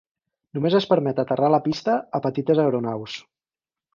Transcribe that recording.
Només es permet aterrar a la pista a petites aeronaus.